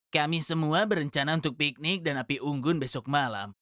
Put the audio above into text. kami semua berencana untuk piknik dan api unggun besok malam